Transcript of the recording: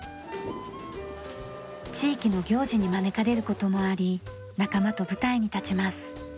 地域の行事に招かれる事もあり仲間と舞台に立ちます。